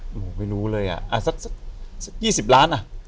โอ้โหไม่รู้เลยอ่ะสัก๒๐ล้านอ่ะ